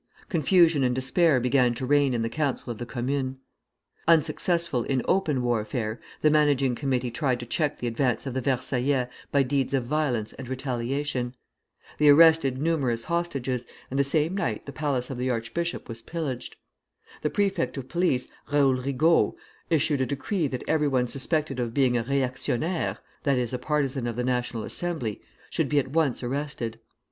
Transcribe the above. Confusion and despair began to reign in the Council of the Commune. Unsuccessful in open warfare, the managing committee tried to check the advance of the Versaillais by deeds of violence and retaliation. They arrested numerous hostages, and the same night the palace of the archbishop was pillaged. The prefect of police, Raoul Rigault, issued a decree that every one suspected of being a réactionnaire (that is, a partisan of the National Assembly) should be at once arrested.